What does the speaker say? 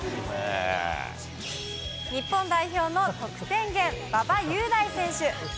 日本代表の得点源、馬場雄大選手。